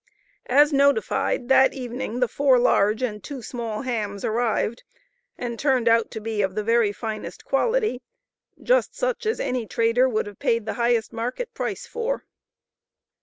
As notified, that evening the "four large and two small hams" arrived, and turned out to be of the very finest quality, just such as any trader would have paid the highest market price for.